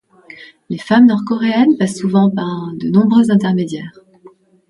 Les femmes nord-coréennes passent souvent par de nombreux intermédiaires.